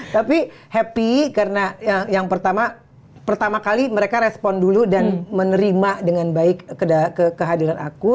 tapi happy karena yang pertama kali mereka respon dulu dan menerima dengan baik kehadiran aku